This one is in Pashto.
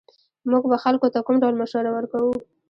موږ به خلکو ته کوم ډول مشوره ورکوو